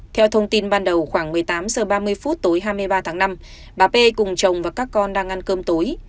theo thông tin ban đầu khoảng một mươi tám h ba mươi phút tối hai mươi ba tháng năm bà p cùng chồng và các con đang ăn cơm tối